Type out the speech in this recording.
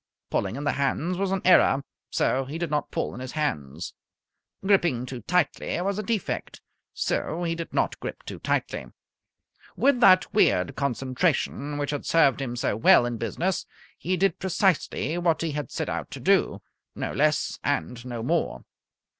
Pulling in the hands was an error, so he did not pull in his hands. Gripping too tightly was a defect, so he did not grip too tightly. With that weird concentration which had served him so well in business he did precisely what he had set out to do no less and no more.